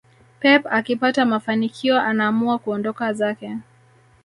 pep akipata mafanikio anaamua kuondoka zake